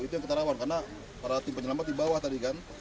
itu yang kita rawan karena para tim penyelamat di bawah tadi kan